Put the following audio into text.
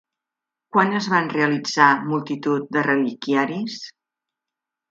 Quan es van realitzar multitud de reliquiaris?